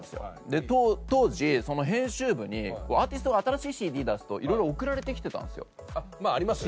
で当時その編集部にアーティストが新しいＣＤ出すといろいろ送られてきてたんですよ。ありますよね。